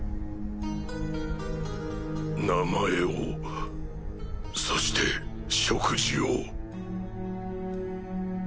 名前をそして食事を。